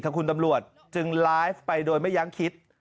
คุณตำรวจจึงไลฟ์ไปโดยไม่ยั้งคิด